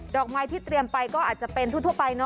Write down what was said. ดอกไม้ที่เตรียมไปก็เตรียมในทั่วไป